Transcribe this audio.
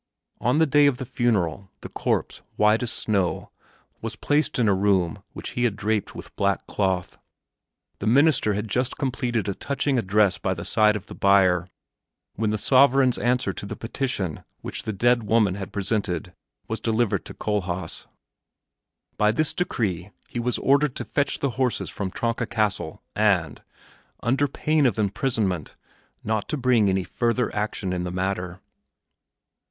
On the day of the funeral the corpse, white as snow, was placed in a room which he had had draped with black cloth. The minister had just completed a touching address by the side of the bier when the sovereign's answer to the petition which the dead woman had presented was delivered to Kohlhaas. By this decree he was ordered to fetch the horses from Tronka Castle and, under pain of imprisonment, not to bring any further action in the matter.